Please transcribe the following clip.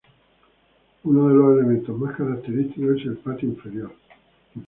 Uno de los elementos más característicos es el patio interior.